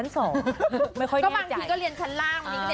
แล้วเรียนชั้นไหนนะ